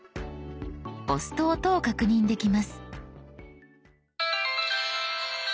押すと音を確認できます。」）